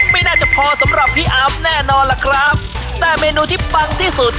ไม่น่าจะพอสำหรับพี่อาร์มแน่นอนล่ะครับแต่เมนูที่ปังที่สุด